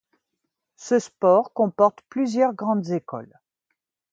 Ce sport comporte plusieurs grandes écoles.